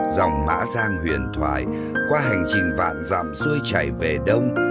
dòng mã giang huyền thoại qua hành trình vạn dạm xuôi chảy về đông